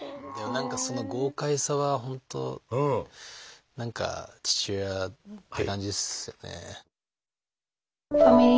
何かその豪快さは本当何か父親って感じですよね。